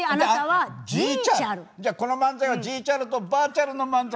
じゃあこの漫才はジーチャルとバーチャルの漫才？